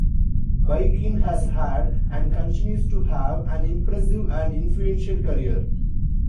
Boykin has had, and continues to have, an impressive and influential career.